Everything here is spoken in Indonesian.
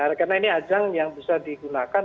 karena ini ajang yang bisa digunakan